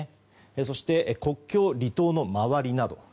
そして国境、離島の周りなど。